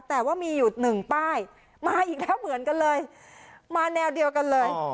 แต่ว่ามีอยู่หนึ่งป้ายมาอีกแล้วเหมือนกันเลยมาแนวเดียวกันเลย